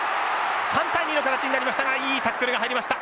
３対２の形になりましたがいいタックルが入りました。